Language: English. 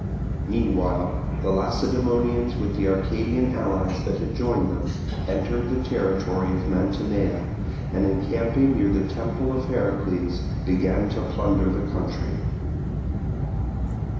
Meanwhile the Lacedaemonians with the Arcadian allies that had joined them, entered the territory of Mantinea, and encamping near the temple of Heracles began to plunder the country.